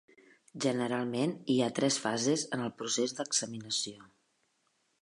Generalment, hi ha tres fases en el procés d'examinació.